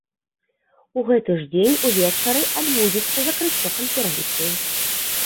У гэты ж дзень увечары адбудзецца закрыццё канферэнцыі.